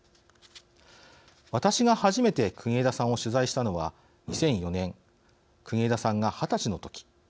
私が初めて国枝さんを取材したのは２００４年国枝さんが２０歳の時。